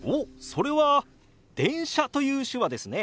それは「電車」という手話ですね。